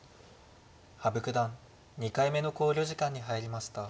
羽生九段２回目の考慮時間に入りました。